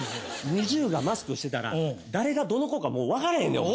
ＮｉｚｉＵがマスクしてたら誰がどの子かもうわからへんねん俺。